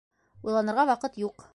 Уйланырға ваҡыт юҡ.